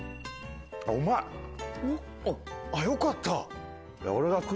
あっよかった。